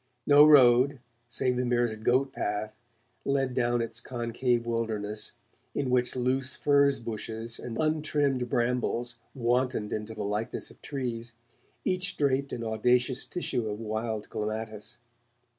No road, save the merest goat path, led down its concave wilderness, in which loose furze bushes and untrimmed brambles wantoned into the likeness of trees, each draped in audacious tissue of wild clematis.